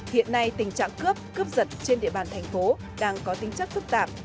hiện nay tình trạng cướp cướp giật trên địa bàn thành phố đang có tính chất phức tạp